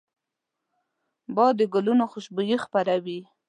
باد د ګلونو خوشبويي خپروي